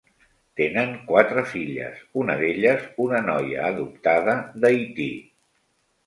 Tenen quatre filles, una d'elles una noia adoptada d'Haití.